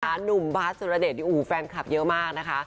หนุ่มบาร์ดสุรดีอยู่ฟร่านคลับเยอะมาก